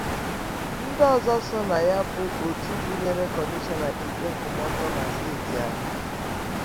Ndị ọzọ so na ya bụ òtù gụnyere Kọmishọna Ikpe Nkwụmọtọ na steeti ahụ